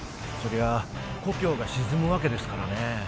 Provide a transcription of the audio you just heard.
そりゃあ故郷が沈むわけですからね